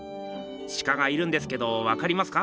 シカがいるんですけどわかりますか？